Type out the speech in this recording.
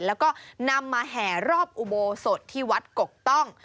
แล้วก็นำมาแห่รอบอุโบสถที่วัดกกต้อง